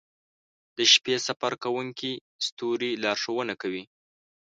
• د شپې سفر کوونکي ستوري لارښونه کوي.